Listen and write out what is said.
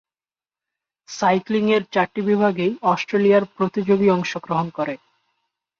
সাইক্লিং-এর চারটি বিভাগেই অস্ট্রেলিয়ার প্রতিযোগী অংশগ্রহণ করে।